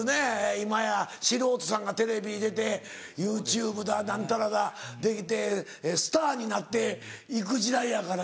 今や素人さんがテレビに出てＹｏｕＴｕｂｅだ何たらだできてスターになって行く時代やからな。